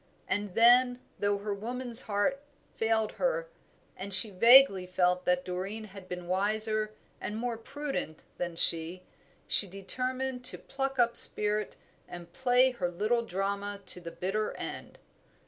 And then, though her woman's heart failed her, and she vaguely felt that Doreen had been wiser and more prudent than she, she determined to pluck up spirit and play her little drama to the bitter end.